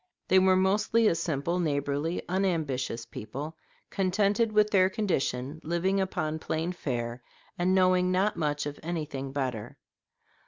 They were mostly a simple, neighborly, unambitious people, contented with their condition, living upon plain fare, and knowing not much of anything better.